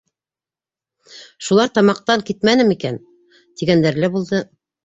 Шулар тамаҡтап китмәнеме икән? - тигәндәре лә булды.